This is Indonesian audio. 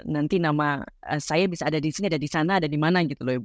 nanti nama saya bisa ada di sini ada di sana ada di mana gitu loh